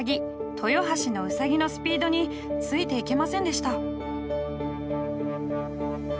豊橋のウサギのスピードについていけませんでした。